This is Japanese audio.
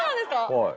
はい。